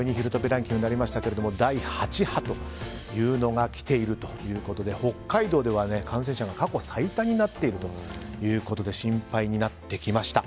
ランキングですが第８波というのが来ているということで北海道では感染者が過去最多になっているということで心配になってきました。